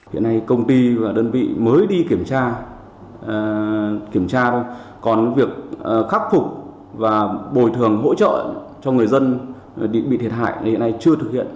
hiện nay công ty và đơn vị mới đi kiểm tra kiểm tra còn việc khắc phục và bồi thường hỗ trợ cho người dân bị thiệt hại hiện nay chưa thực hiện